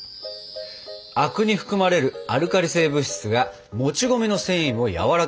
灰汁に含まれるアルカリ性物質がもち米の繊維をやわらかくする。